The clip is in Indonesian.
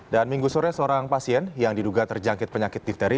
dan minggu sore seorang pasien yang diduga terjangkit penyakit difteri